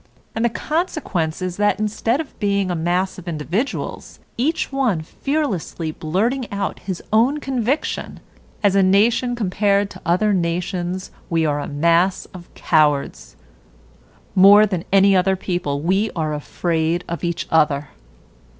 And the consequence is that instead of being a mass of individuals, each one fearlessly blurting out his own conviction, as a nation compared to other nations we are a mass of cowards. More than any other people we are afraid of each other."